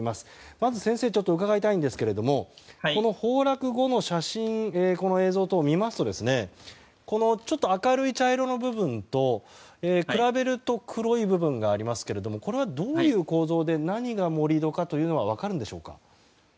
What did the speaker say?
まず先生、伺いたいんですが崩落後の写真、映像等を見ますとちょっと明るい茶色の部分と比べると黒い部分がありますがこれはどういう構造で何が盛り土かというのは分かるんでしょうか。